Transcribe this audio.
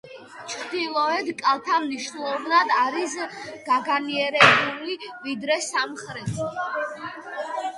ჩრდილოეთ კალთა მნიშვნელოვნად არის გაგანიერებული ვიდრე სამხრეთი.